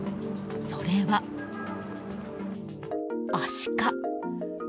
それは、アシカ。